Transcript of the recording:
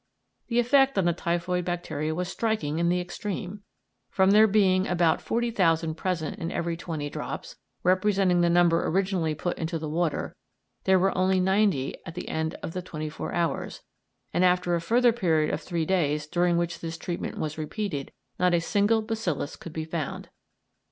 The effect on the typhoid bacteria was striking in the extreme; from there being about 40,000 present in every twenty drops, representing the number originally put into the water, there were only ninety at the end of the twenty four hours; and after a further period of three days, during which this treatment was repeated, not a single bacillus could be found.